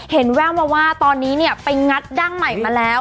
แววมาว่าตอนนี้เนี่ยไปงัดดั้งใหม่มาแล้ว